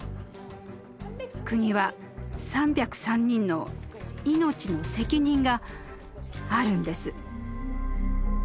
国は３０３人の命の責任があるんです。